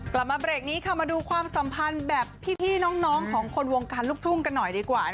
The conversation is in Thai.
กลับมาเบรกนี้ค่ะมาดูความสัมพันธ์แบบพี่น้องของคนวงการลูกทุ่งกันหน่อยดีกว่า